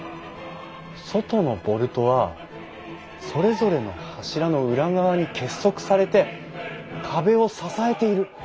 外のボルトはそれぞれの柱の裏側に結束されて壁を支えている。